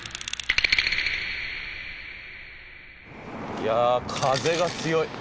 いや風が強い。